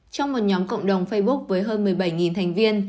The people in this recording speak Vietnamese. trong một nhóm cộng đồng facebook với hơn một mươi bảy thành viên